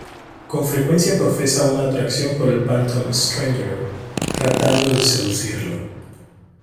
Con frecuencia profesa una atracción por el Phantom Stranger, tratando de seducirlo.